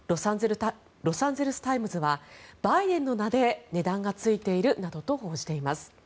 ロサンゼルス・タイムズはバイデンの名で値段がついているなどと報じています。